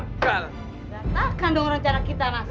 takkan dong rencana kita mas